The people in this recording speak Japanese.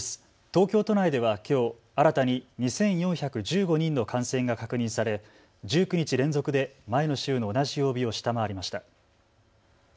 東京都内ではきょう新たに２４１５人の感染が確認され１９日連続で前の週の同じ曜日を下回りました。